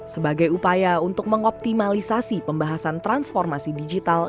sebagai upaya untuk mengoptimalisasi pembahasan transformasi digital